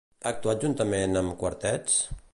Ha actuat juntament amb quartets?